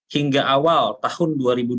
hingga awal tahun dua ribu dua puluh